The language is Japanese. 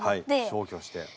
消去して。